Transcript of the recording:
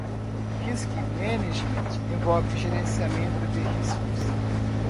Risk Management envolve gerenciamento de riscos.